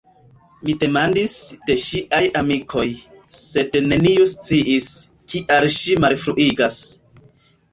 Mi demandis de ŝiaj amikoj, sed neniu sciis, kial ŝi malfruiĝas.